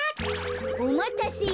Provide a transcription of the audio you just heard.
おまたせ。